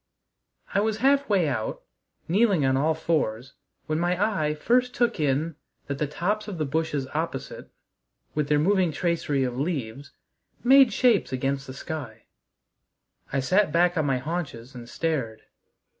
I was halfway out, kneeling on all fours, when my eye first took in that the tops of the bushes opposite, with their moving tracery of leaves, made shapes against the sky. I sat back on my haunches and stared.